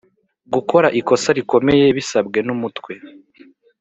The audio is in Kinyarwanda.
gukora ikosa rikomeye bisabwe n Umutwe